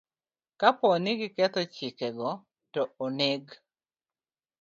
Kapo ni giketho chikego, to oneg